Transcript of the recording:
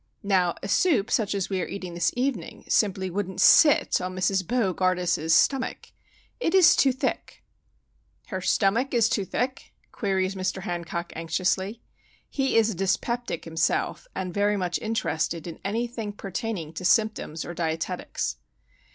Now a soup such as we are eating this evening simply wouldn't sit on Mrs. Bo gardus's stummick. It is too thick." "Her stummick is too thick?" queries Mr. Hancock, anxiously. He is a dyspeptic, himself, and very much interested in anything pertaining to symptoms or dietetics.